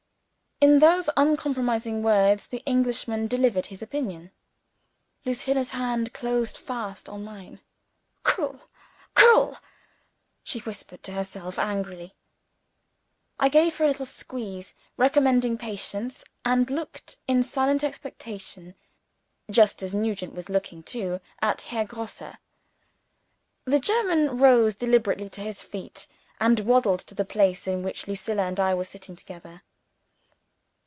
In those uncompromising words, the Englishman delivered his opinion. Lucilla's hand closed fast on mine. "Cruel! cruel!" she whispered to herself angrily. I gave her a little squeeze, recommending patience and looked in silent expectation (just as Nugent was looking too) at Herr Grosse. The German rose deliberately to his feet, and waddled to the place in which Lucilla and I were sitting together.